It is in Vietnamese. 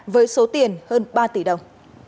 với số tiền hơn ba tỷ đồng